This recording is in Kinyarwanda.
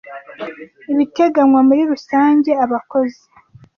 ibiteganywa muri rusange abakozi